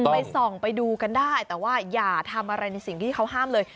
ไปส่องไปดูกันได้แต่ว่าอย่าทำอะไรในสิ่งที่เขาห้ามเลย